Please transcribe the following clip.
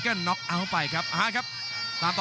กรุงฝาพัดจินด้า